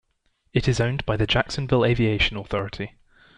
It is owned by the Jacksonville Aviation Authority.